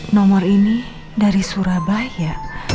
nomor ini dari surabaya